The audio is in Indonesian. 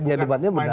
ya debatnya benar